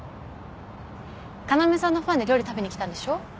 要さんのファンで料理食べにきたんでしょ？